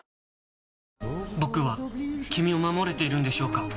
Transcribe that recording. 僕は君を守れているんでしょうか？